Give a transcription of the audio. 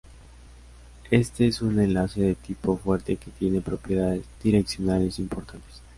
Este es un enlace de tipo fuerte que tiene propiedades direccionales importantes.